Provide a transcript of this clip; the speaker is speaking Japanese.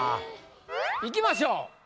いきましょう。